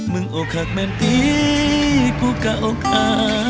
มึงอกหักแม่นติกูกะอกอา